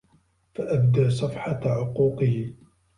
فَأَبْدَى صَفْحَةَ عُقُوقِهِ